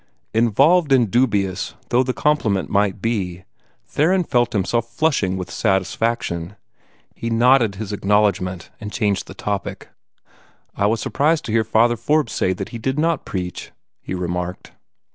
Involved and dubious though the compliment might be, Theron felt himself flushing with satisfaction. He nodded his acknowledgment, and changed the topic. "I was surprised to hear Father Forbes say that he did not preach," he remarked.